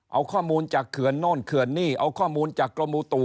เอาข้อมูลจากเขื่อนโน่นเขื่อนนี่เอาข้อมูลจากกรมอุตุ